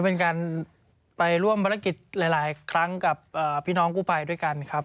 เป็นการไปร่วมภารกิจหลายครั้งกับพี่น้องกู้ภัยด้วยกันครับ